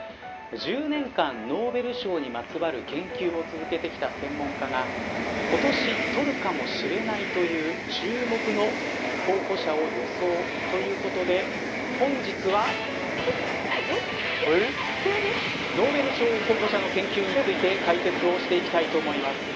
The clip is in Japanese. １０年間、ノーベル賞にまつわる研究を続けてきた専門家が、今年取るかもしれないという注目の候補者を予想ということで本日はノーベル賞候補者の研究について解説をしていきたいと思います。